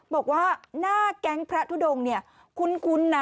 บอกว่าหน้าแก๊งพระทุดงเนี่ยคุ้นนะ